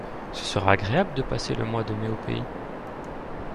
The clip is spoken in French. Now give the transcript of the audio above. Ce sera agréable de passer le mois de mai au pays.